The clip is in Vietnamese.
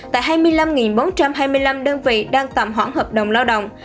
tại hai mươi năm bốn trăm hai mươi năm đơn vị đang tạm hoãn hợp đồng lao động